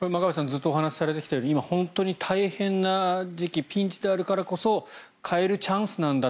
ずっとお話しされてきたように今、本当に大変な時期ピンチであるからこそ変えるチャンスなんだ